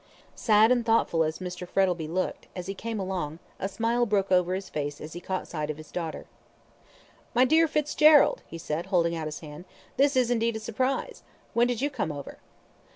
Sad and thoughtful as Mr. Frettlby looked, as he came along, a smile broke over his face as he caught sight of his daughter. "My dear Fitzgerald," he said, holding out his hand, "this is indeed a surprise! When did you come over?"